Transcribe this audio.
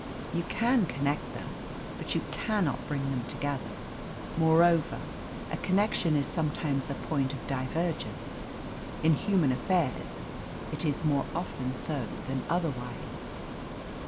You can connect them, but you cannot bring them together. Moreover, a connection is sometimes a point of divergence. In human affairs it is more often so than otherwise.